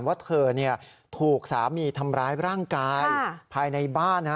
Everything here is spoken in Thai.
ว่าเธอถูกสามีทำร้ายร่างกายภายในบ้าน